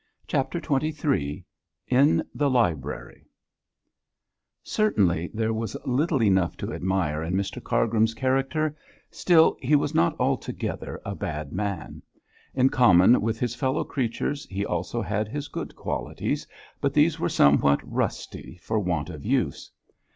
CHAPTER XXIII IN THE LIBRARY Certainly there was little enough to admire in Mr Cargrim's character, still he was not altogether a bad man. In common with his fellow creatures he also had his good qualities, but these were somewhat rusty for want of use.